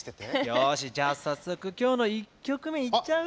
よしじゃあ早速今日の１曲目いっちゃう？